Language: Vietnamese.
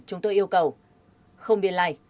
chúng tôi yêu cầu không biên lại